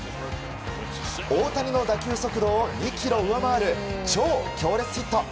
大谷の打球速度を２キロ上回る超強烈ヒット。